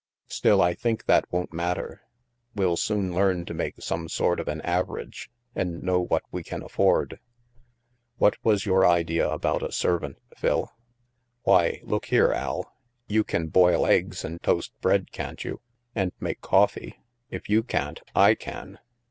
Still, I think that won't matter. We'll soon learn to make some sort of an average and know what THE MAELSTROM 127 we can afford. What was your idea about a serv ant, Phil?" " Why look here, Al, you can boil eggs and toast bread, can't you? And make coffee? If you can't, I can."